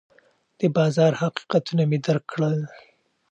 د بازار حقیقتونه مې درک کړل.